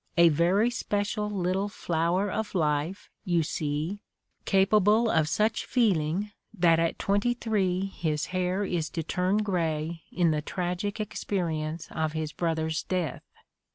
A very special little flower of life, you see, capable of such feeling that at twenty three his hair is to turn gray in the tragic experience of his brother 's death.